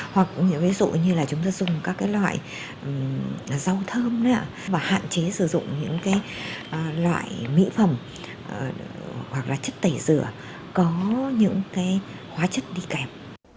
hoặc ví dụ như là chúng ta dùng các loại rau thơm và hạn chế sử dụng những loại mỹ phẩm hoặc là chất tẩy rửa có những hóa chất đi kẹp